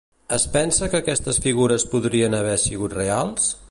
Es pensa que aquestes figures podrien haver sigut reals?